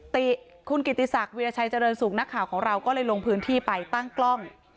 ติคุณกิติศักดิราชัยเจริญสุขนักข่าวของเราก็เลยลงพื้นที่ไปตั้งกล้อง